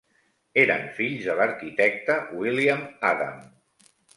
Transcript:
Eren fills de l'arquitecte William Adam.